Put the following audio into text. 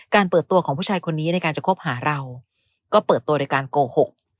เปิดตัวของผู้ชายคนนี้ในการจะคบหาเราก็เปิดตัวโดยการโกหก